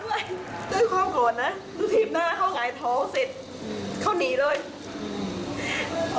ด้วยความโกรธนะหนูทีบหน้าเข้าไก่ท้องเสร็จ